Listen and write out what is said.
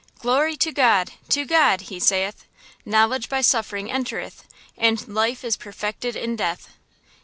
"Glory to God! to God!" he saith, "Knowledge by suffering entereth, And life is perfected in death."